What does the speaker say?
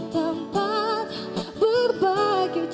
tempat berbagi cerita